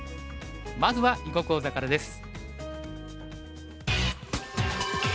まずは囲碁講座からです。